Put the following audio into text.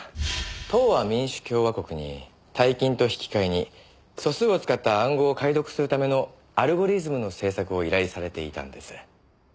東亜民主共和国に大金と引き換えに素数を使った暗号を解読するためのアルゴリズムの制作を依頼されていたんです。